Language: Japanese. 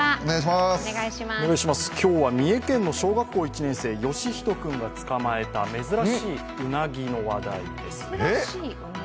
今日は、三重県の小学１年生義仁君が捕まえた珍しいうなぎの話題です。